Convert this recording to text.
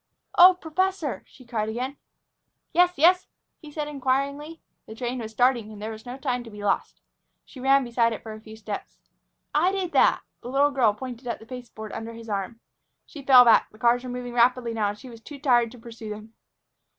"Oh, professor!" she cried again. "Yes? Yes?" he said inquiringly. The train was starting and there was no time to be lost. She ran beside it for a few steps. "I did that!" The little girl pointed at the pasteboard under his arm. She fell back. The cars were moving rapidly now, and she was too tired to pursue them.